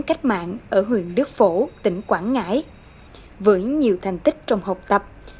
cô đã làm tổng cách mạng ở huyện đức phổ tỉnh quảng ngãi với nhiều thành tích trong học tập